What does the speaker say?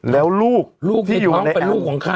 แล้วลูกที่อยู่กับแอม